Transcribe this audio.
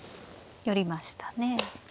寄りましたね。